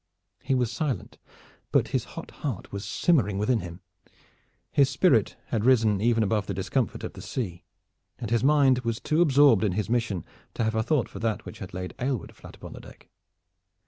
He was silent; but his hot heart was simmering within him. His spirit had risen even above the discomfort of the sea, and his mind was too absorbed in his mission to have a thought for that which had laid Aylward flat upon the deck.